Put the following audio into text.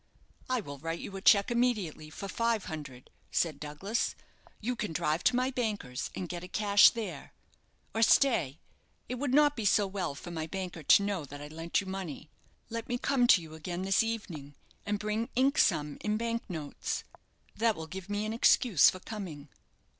"I will write you a cheque immediately for five hundred," said Douglas. "You can drive to my banker's, and get it cashed there. Or stay; it would not be so well for my banker to know that I lent you money. Let me come again to you this evening, and bring ink sum in bank notes. That will give me an excuse for coming."